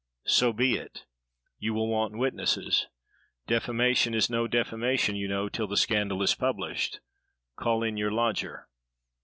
"So be it. You will want witnesses. Defamation is no defamation you know till the scandal is published. Call in your lodger."